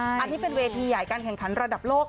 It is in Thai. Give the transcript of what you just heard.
อันนี้เป็นเวทีใหญ่การแข่งขันระดับโลก